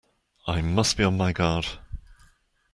I must be on my guard!